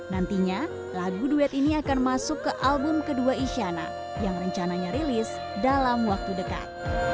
nantinya lagu duet ini akan masuk ke album kedua isyana yang rencananya rilis dalam waktu dekat